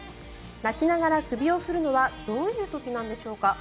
鳴きながら首を振るのはどういう時なんでしょうか。